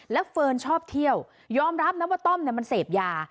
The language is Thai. แล้วเฟิร์นชอบเที่ยวยอมรับนะว่าต้อมมันเสพยา